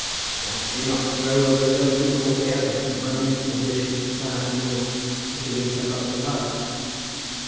Why should he not throw over his own people altogether, money, position, society, and all, and give himself up to love?